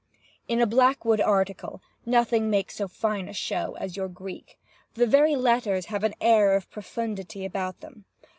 In a Blackwood article nothing makes so fine a show as your Greek. The very letters have an air of profundity about them.